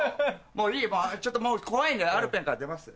もういいちょっと怖いんでアルペンから出ます。